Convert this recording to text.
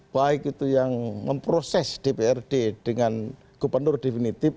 baik itu yang memproses dprd dengan gubernur definitif